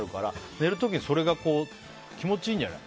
寝る時それが気持ちいいんじゃない。